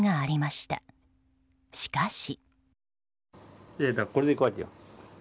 しかし。